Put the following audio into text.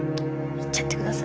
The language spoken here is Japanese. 行っちゃってください。